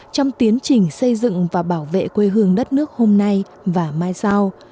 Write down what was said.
trong tiến trình xây dựng và bảo vệ quê hương đất nước hôm nay và mai sau